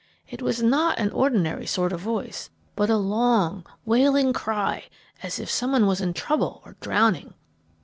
It was not an ordinary sort of voice, but a long, wailing cry, just as if some one was in trouble or drowning.